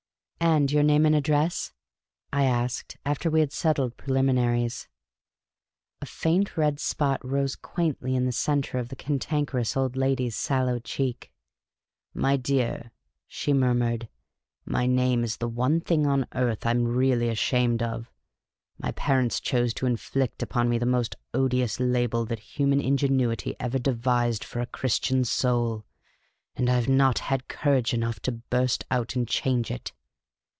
" And your name and address? " I asked, after we had settled preliminaries. A faint red spot rose quaintly in the centre of the Can tankerous Old Lady's sallow cheek. " My dear," she mur mured, " my name is the one thing on earth I 'm really ashamed of. My parents chose to inflict upon me the most odious label that human ingenuity ever devised for a Chris tian soul ; and I 've not had courage enough to burst out and change it."